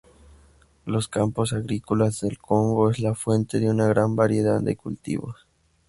Los campos agrícolas del Congo es la fuente de una gran variedad de cultivos.